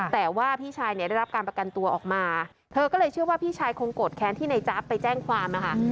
แต่ว่าพี่ชายเนี่ยได้รับการประกันตัวออกมาเธอก็เลยเชื่อว่าพี่ชายคงโกรธแค้นที่ในจ๊าบไปแจ้งความนะคะ